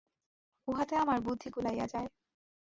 উহাতে আমাদের বুদ্ধি গুলাইয়া যায়।